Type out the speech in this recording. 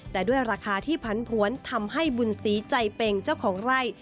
แต่ด้วยราคาที่ผันผวนทำให้บุญศรีใจเป็งเจ้าของไร่